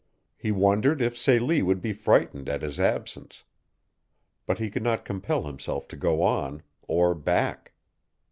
He wondered if Celie would be frightened at his absence. But he could not compel himself to go on or back.